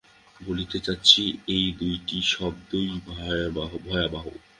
বলতে চাচ্ছি, এই দুটি শব্দই ভয়াবহ।